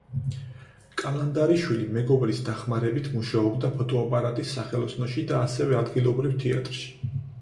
კალანდარიშვილი მეგობრის დახმარებით მუშაობდა ფოტოაპარატის სახელოსნოში და ასევე ადგილობრივ თეატრში.